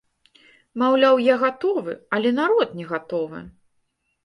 Маўляў, я гатовы, але народ не гатовы.